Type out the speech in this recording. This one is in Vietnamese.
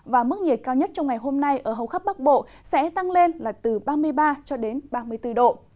và mức nhiệt cao nhất trong ngày hôm nay ở hầu khắp bắc bộ sẽ tăng lên từ ba mươi ba ba mươi bốn độ